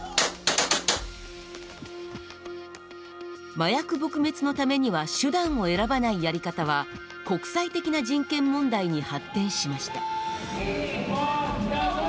麻薬撲滅のためには手段を選ばないやり方は国際的な人権問題に発展しました。